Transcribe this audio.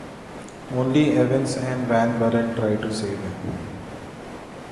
Only Evans and van Buuren try to save him.